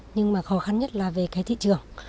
nhưng mà khó khăn nhất là về cái thị trường